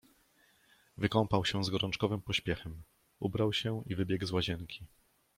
Wykąpał się z gorączkowym pośpiechem, ubrał się i wybiegł z łazienki.